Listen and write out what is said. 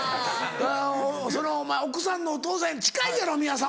お前奥さんのお父さんに近いやろ宮迫。